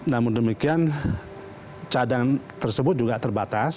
namun demikian cadangan tersebut juga terbatas